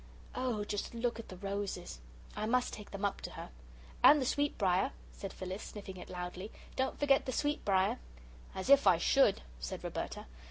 Oh, just look at the roses! I must take them up to her." "And the sweetbrier," said Phyllis, sniffing it loudly; "don't forget the sweetbrier." "As if I should!" said Roberta.